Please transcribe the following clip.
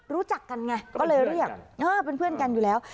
รู้จักกันไงก็เลยเรียกเป็นเพื่อนกันอยู่แล้ว